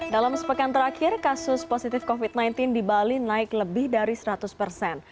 dalam sepekan terakhir kasus positif covid sembilan belas di bali naik lebih dari seratus persen